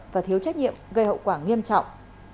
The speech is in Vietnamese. và thiếu trách nhiệm gây hậu quả nghiêm trọng